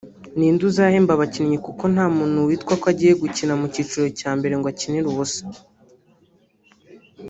Ninde uzahemba abakinnyi kuko nta muntu witwako agiye gukina mu cyiciro cya mbere ngo akinire ubusa